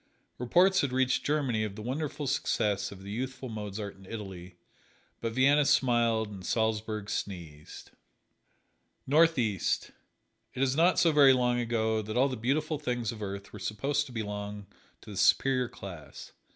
Reports had reached Germany of the wonderful success of the youthful Mozart in Italy, but Vienna smiled and Salzburg sneezed. North East: It is not so very long ago that all the beautiful things of earth were supposed to belong to the Superior Class.